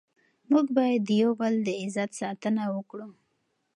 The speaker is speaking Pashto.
موږ باید د یو بل د عزت ساتنه وکړو.